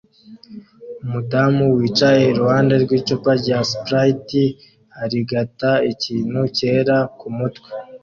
Umudamu wicaye iruhande rw'icupa rya Sprite arigata ikintu cyera kumutwe